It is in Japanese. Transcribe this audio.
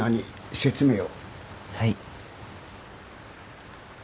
はい。